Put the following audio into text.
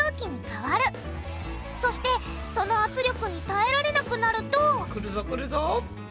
そしてその圧力に耐えられなくなるとくるぞくるぞ！